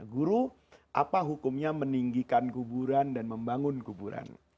guru apa hukumnya meninggikan kuburan dan membangun kuburan